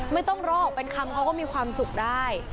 ไม่ต้องรอออกเป็นคำเขาก็มีความสุขได้